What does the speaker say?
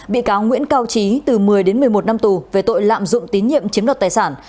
bị cáo nguyễn cao trí từ một mươi đến một mươi một năm tù về tội lạm dụng tín nhiệm chiếm đoạt tài sản